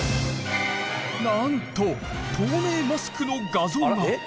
なんと透明マスクの画像が。